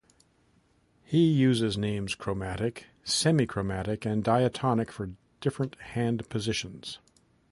He uses names chromatic, semi-chromatic and diatonic for different hand positions.